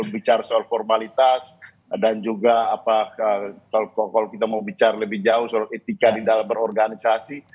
bicara soal formalitas dan juga kalau kita mau bicara lebih jauh soal etika di dalam berorganisasi